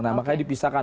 nah makanya dipisahkan